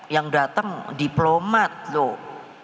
yang datang diplomat tuh